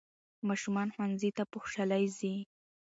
ماشومان ښوونځي ته په خوشحالۍ ځي